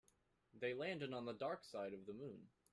They landed on the dark side of the moon.